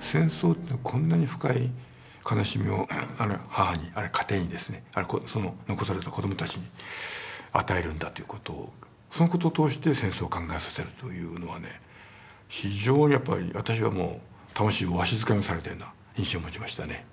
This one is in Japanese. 戦争ってこんなに深い悲しみを母にあるいは家庭にその残された子どもたちに与えるんだという事をその事を通して戦争を考えさせるというのはね非常にやっぱり私はもう魂をわしづかみにされたような印象を持ちましたね。